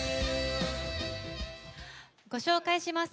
ご紹介します。